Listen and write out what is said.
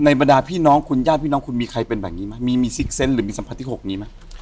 บรรดาพี่น้องคุณญาติพี่น้องคุณมีใครเป็นแบบนี้ไหมมีมีซิกเซนต์หรือมีสัมผัสที่๖นี้ไหม